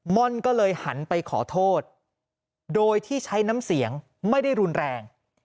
่อนก็เลยหันไปขอโทษโดยที่ใช้น้ำเสียงไม่ได้รุนแรง